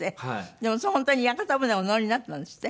でも本当に屋形船お乗りになったんですって？